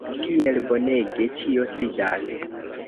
kiel bonege ĉio sidas!